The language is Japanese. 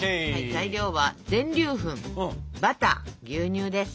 材料は全粒粉バター牛乳です。